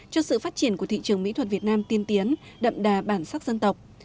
cho sự phát triển của thị trường mỹ thuật việt nam tiên tiến đậm đà bản sắc dân tộc